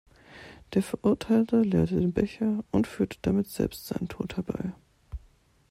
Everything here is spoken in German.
Der Verurteilte leerte den Becher und führte damit selbst seinen Tod herbei.